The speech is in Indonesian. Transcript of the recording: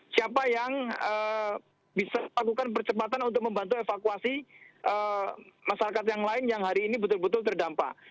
siapa yang bisa lakukan percepatan untuk membantu evakuasi masyarakat yang lain yang hari ini betul betul terdampak